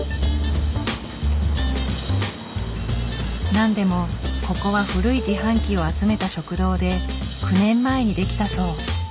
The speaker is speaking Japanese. なんでもここは古い自販機を集めた食堂で９年前に出来たそう。